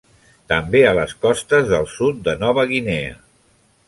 També a les costes del sud de Nova Guinea.